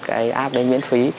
cái app đến miễn phí